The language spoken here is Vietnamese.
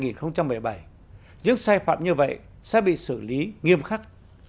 những sai phạm như vậy sẽ bị xử lý nghiêm khắc